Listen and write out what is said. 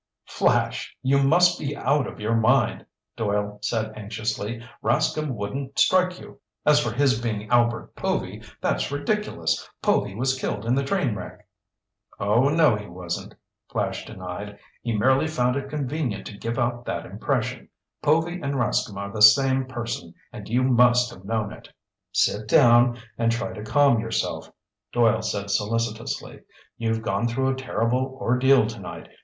"Flash, you must be out of your mind," Doyle said anxiously. "Rascomb wouldn't strike you. As for his being Albert Povy, that's ridiculous! Povy was killed in the train wreck." "Oh, no, he wasn't," Flash denied. "He merely found it convenient to give out that impression. Povy and Rascomb are the same person, and you must have known it!" "Sit down and try to calm yourself," Doyle said solicitously. "You've gone through a terrible ordeal tonight.